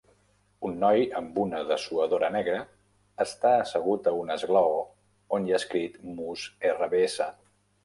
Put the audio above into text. Un noi amb una dessuadora negra està assegut a un esglaó on hi ha escrit moose RVS.